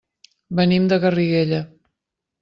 Venim de Garriguella.